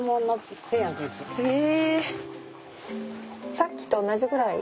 さっきと同じぐらい？